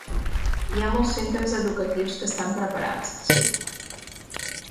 Hi ha molts centres educatius que estan preparats, sí.